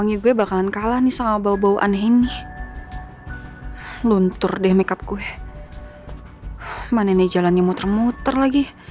ngga usah lurus lurus ya